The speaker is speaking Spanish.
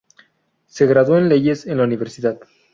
Se graduó en Leyes en la Universidad.